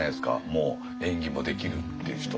もう演技もできるっていう人。